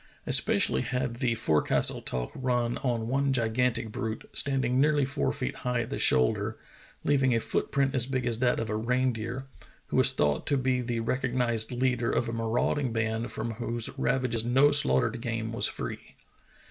Especially had the forecastle talk run on one gigantic brute, standing nearly four feet high at the shoulder, leaving a foot print as big as that of a reindeer, who was thought to be the recognized leader of a marauding band from whose ravages no slaughtered game was free.